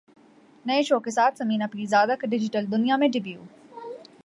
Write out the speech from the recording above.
نئے شو کے ساتھ ثمینہ پیرزادہ کا ڈیجیٹل دنیا میں ڈیبیو